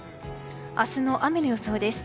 明日の雨の予想です。